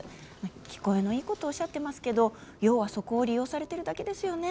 聞こえのいいことをおっしゃってますけど要は、そこを利用されてるだけですよね？